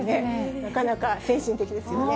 なかなか先進的ですよね。